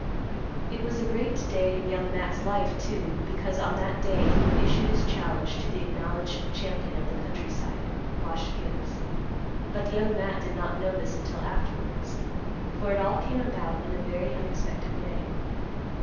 It was a great day in Young Matt's life, too, because on that day he would issue his challenge to the acknowledged champion of the country side, Wash Gibbs. But Young Matt did not know this until afterwards, for it all came about in a very unexpected way.